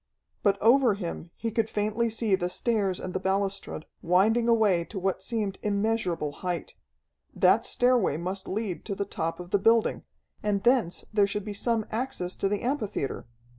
But over him he could faintly see the stairs and the balustrade, winding away to what seemed immeasurable height. That stairway must lead to the top of the building, and thence there should be some access to the amphitheatre.